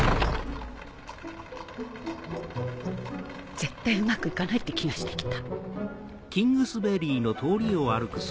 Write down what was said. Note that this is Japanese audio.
絶対うまく行かないって気がして来た。